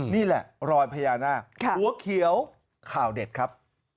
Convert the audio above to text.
นี่แหละรอยพญานาคหัวเขียวข่าวเด็ดครับ